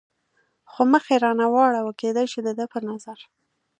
خو مخ یې را نه واړاوه، کېدای شي د ده په نظر.